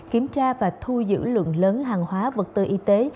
kiểm tra và thu giữ lượng lớn hàng hóa vật tư y tế